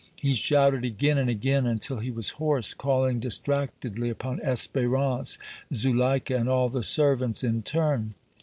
He shouted again and again until he was hoarse, calling distractedly upon Espérance, Zuleika and all the servants in turn.